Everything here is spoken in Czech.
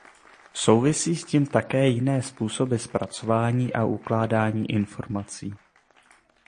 Souvisí s tím také jiné způsoby zpracovávání a ukládání informací.